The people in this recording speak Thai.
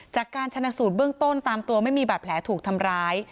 จากการชนะสูตรเบื้องต้นตามตัวไม่มีบาดแผลถูกทำร้าย